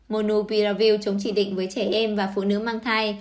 monopiravir chống trị định với trẻ em và phụ nữ mang thai